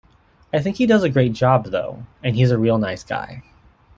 I think he does a great job though, and he's a real nice guy.